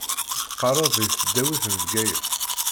Teqqaṛeḍ di tesdawit n Bgayet.